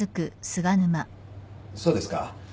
そうですか。